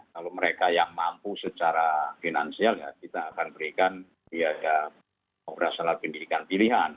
kalau mereka yang mampu secara finansial ya kita akan berikan biaya operasional pendidikan pilihan